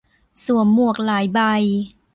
สวมหมวกหลายใบ